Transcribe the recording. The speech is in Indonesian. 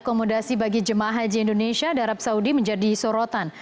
akomodasi bagi jemaah haji indonesia dan arab saudi menjadi sorotan